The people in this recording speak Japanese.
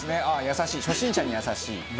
ああ優しい初心者に優しい。